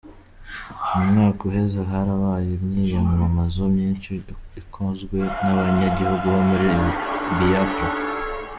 Mu mwaka uheze harabaye imyiyamamazo myinshi ikozwe n'abanyagihugu bo muri Biafra.